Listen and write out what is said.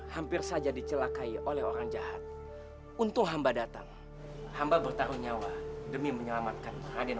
hampir saja dicelakai oleh orang jahat untuk hamba datang hamba bertaruh nyawa demi menyelamatkan raden